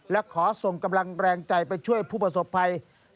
และขอส่งกำลังแรงใจไปช่วยผู้ประสบภัย